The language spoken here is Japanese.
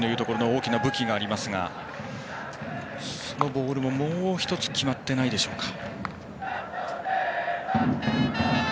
大きな武器がありますがそのボールももうひとつ決まっていないでしょうか。